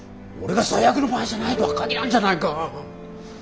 俺が最悪の場合じゃないとは限らんじゃないか。